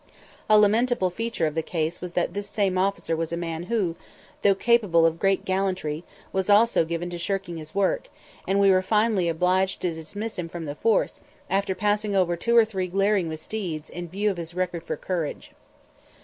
A lamentable feature of the case was that this same officer was a man who, though capable of great gallantry, was also given to shirking his work, and we were finally obliged to dismiss him from the force, after passing over two or three glaring misdeeds in view of his record for courage.